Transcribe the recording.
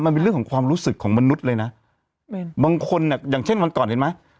มันเป็นเรื่องของความรู้สึกของมนุษย์เลยนะบางคนอ่ะอย่างเช่นวันก่อนเห็นไหม